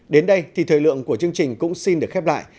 đến đây thì thời lượng của chương trình cũng xin được khép lại